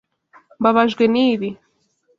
Mbabajwe nibi.